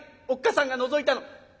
おっ母さんがのぞいたの。